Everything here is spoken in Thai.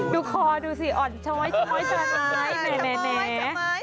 ดูคอดูสิอ่อนชะม้อยชะม้อยชะม้าย